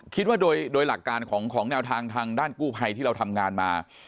คิดว่าโดยหลักการของแนวทางทางด้านกู้ภัยที่เราทำงานมา